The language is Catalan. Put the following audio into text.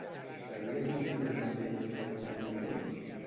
Seguia sentint el mateix que el dia anterior?